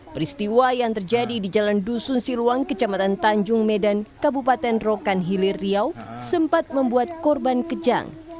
peristiwa yang terjadi di jalan dusun siruang kecamatan tanjung medan kabupaten rokan hilir riau sempat membuat korban kejang